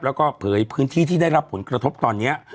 แล้วก็เผยพื้นที่ที่ได้รับผลกระทบตอนนี้